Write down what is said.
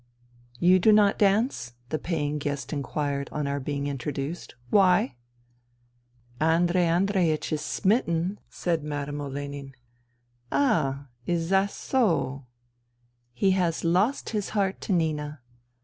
*' You do not dance ?" the paying guest inquired on our being introduced. " Why ?'* "Andrei Andreiech is smitten," said Madame Olenin. " Ah !... Iz zas so ... zzz ...?*'" Has lost his heart to Nina."